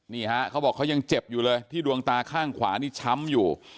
เขาบอกเขายังเจ็บอยู่เลยที่ดวงตาข้างขวานี่ช้ำอยู่